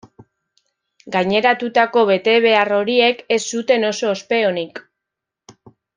Gaineratutako betebehar horiek ez zuten oso ospe onik.